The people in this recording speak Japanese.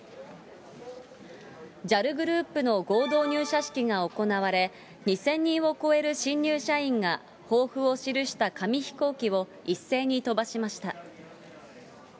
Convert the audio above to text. ＪＡＬグループの合同入社式が行われ、２０００人を超える新入社員が抱負を記した紙飛行機を一斉に飛ばしました。